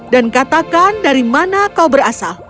dan katakan dari mana kau berasal